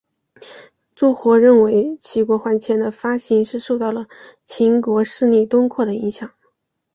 朱活认为齐国圜钱的发行是受到了秦国势力东扩的影响。